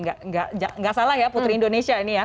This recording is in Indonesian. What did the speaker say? nggak salah ya putri indonesia ini ya